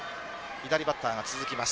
左バッターが続きます。